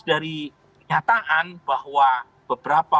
ketika meningkat dari calon wilayah kota indonesia